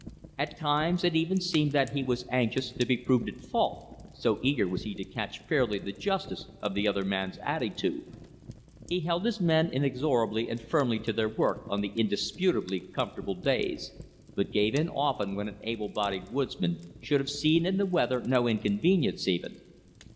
At times it even seemed that he was anxious to be proved at fault, so eager was he to catch fairly the justice of the other man's attitude. He held his men inexorably and firmly to their work on the indisputably comfortable days; but gave in often when an able bodied woodsman should have seen in the weather no inconvenience, even.